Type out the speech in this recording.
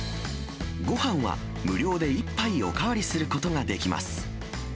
ごはんは無料で１杯お代わりすることができます。